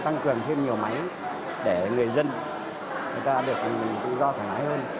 tăng cường thêm nhiều máy để người dân người ta được tự do thẳng ái hơn